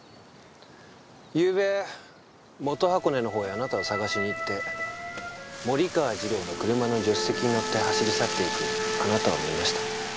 ゆうべ元箱根のほうへあなたを捜しに行って森川次郎の車の助手席に乗って走り去っていくあなたを見ました。